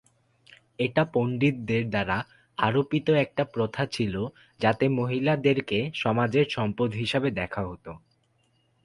এটা পণ্ডিতদের দ্বারা আরোপিত একট প্রথা ছিল যাতে মহিলাদেরকে সমাজের 'সম্পদ' হিসেবে দেখা হোত।